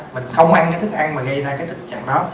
mình không ăn cái thức ăn mà gây ra cái tình trạng đó